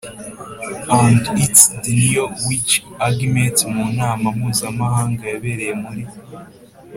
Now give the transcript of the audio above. And its denial which arguments mu nama mpuzamahanga yabereye muri